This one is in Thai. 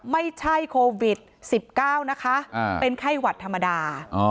ไม่ใช่โควิด๑๙นะคะเป็นไข้หวัดธรรมดา